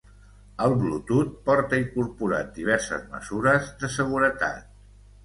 El Bluetooth porta incorporat diverses mesures de seguretat.